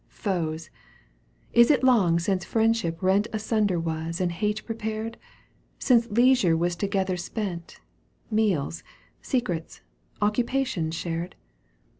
Foes ! Is it long since friendship rent Asunder was and hate prepared ? Since leisure was together spent, Meals, secrets, occupations shared